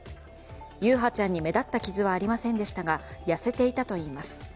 優陽ちゃんに目立った傷はありませんでしたが、痩せていたといいます。